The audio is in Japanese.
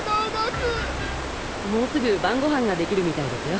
もうすぐ晩ご飯ができるみたいですよ。